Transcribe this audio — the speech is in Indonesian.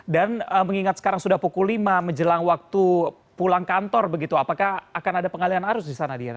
dan mengingat sekarang sudah pukul lima menjelang waktu pulang kantor begitu apakah akan ada pengalian arus di sana diana